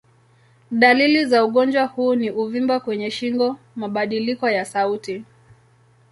Dalili za ugonjwa huu ni uvimbe kwenye shingo, mabadiliko ya sauti.